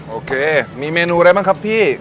โอเคมีเมนูอะไรบ้างครับพี่